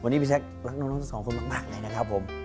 วันนี้พี่แซครักน้องทั้งสองคนมากเลยนะครับผม